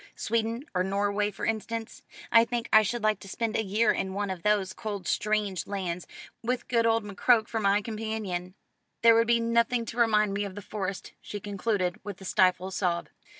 "Sweden, or Norway, for instance. I think I should like to spend a year in one of those cold strange lands, with good old McCroke for my companion. There would be nothing to remind me of the Forest," she concluded with a stifled sob.